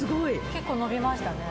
結構伸びましたね。